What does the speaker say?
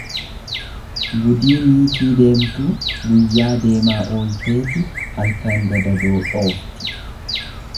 Gudii niitii deemtuu guyyaa deemaa oolteeti halkan dagaagoo dhoofti.